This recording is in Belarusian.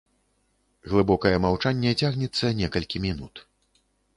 Глыбокае маўчанне цягнецца некалькі мінут.